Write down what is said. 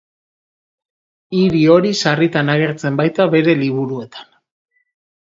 Hiri hori sarritan agertzen baita bere liburuetan.